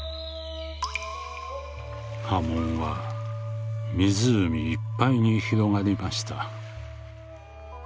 「波紋は湖いっぱいに広がりました」。